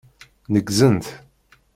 Neggzent.